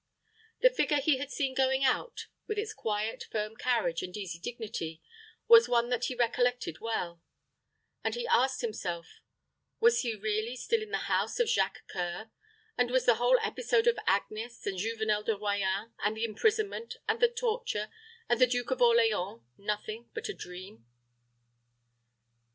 The figure he had seen going out, with its quiet, firm carriage, and easy dignity, was one that he recollected well; and he asked himself, "Was he really still in the house of Jacques C[oe]ur, and was the whole episode of Agnes, and Juvenel de Royans, and the imprisonment, and the torture, and the Duke of Orleans nothing but a dream?"